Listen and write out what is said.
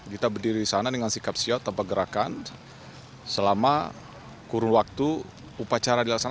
kita berdiri di sana dengan sikap siot tanpa gerakan selama kurun waktu upacara dilaksanakan